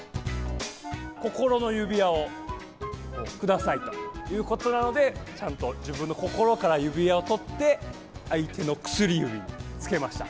心の指輪をくださいということなので、ちゃんと自分の心から指輪を取って、相手の薬指に着けました。